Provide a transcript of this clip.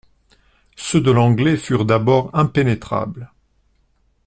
Ceux de l'Anglais furent d'abord impénétrables.